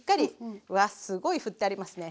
わあすごいふってありますね。